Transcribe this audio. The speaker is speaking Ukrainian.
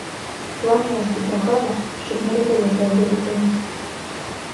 Кланялась і прохала, щоб не робили кривди дитині.